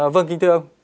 vâng kính thưa ông